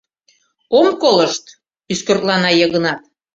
— Ом колышт! — ӱскыртлана Йыгнат.